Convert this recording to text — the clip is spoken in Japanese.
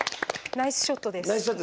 ナイスショットですか？